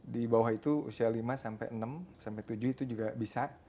di bawah itu usia lima sampai enam sampai tujuh itu juga bisa